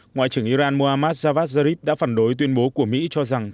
ngoại trưởng iran mohammad javad zarif đã phản đối tuyên bố của mỹ cho rằng